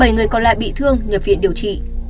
bảy người còn lại bị thương nhập viện điều trị